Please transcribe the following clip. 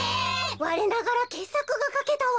われながらけっさくがかけたわ。